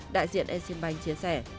đại diện exim bank chia sẻ